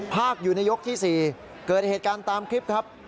ภาคอยู่ในยกที่๔เกิดเหตุการณ์ตามคลิปครับ